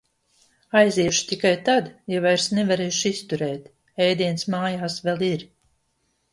Aiziešu tikai tad, ja vairs nevarēšu izturēt. Ēdiens mājās vēl ir.